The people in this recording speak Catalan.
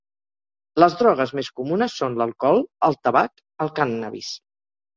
Les drogues més comunes són l'alcohol, el tabac, el cànnabis.